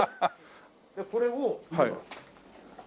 これを入れます。